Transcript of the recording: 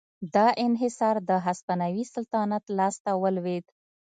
دا انحصار د هسپانوي سلطنت لاس ته ولوېد.